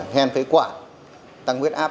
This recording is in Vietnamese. hen phế quản tăng huyết áp